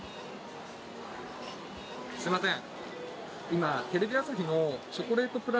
すいません